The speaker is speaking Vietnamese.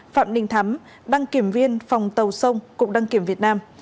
phạm ninh thắm đăng kiểm viên phòng tàu sông cục đăng kiểm việt nam